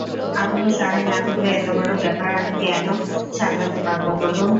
আপনি সহায় না থাকলে এতবড় ব্যাপার আমি কেন সামলাতে পারব বলুন?